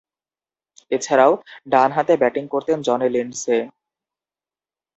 এছাড়াও, ডানহাতে ব্যাটিং করতেন জনি লিন্ডসে।